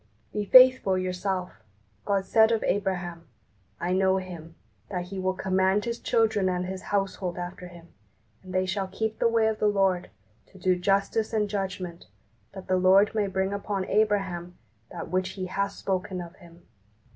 Be faithful yourself. God said of Abraham, "I know him, that he will command his children and his household after him, and they shall keep the way of the Lord, to do justice and judgment, that the Lord may bring upon Abraham that which He hath spoken of him."